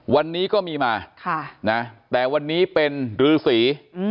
วันนี้ก็มีมาแต่วันนี้เป็นรือสี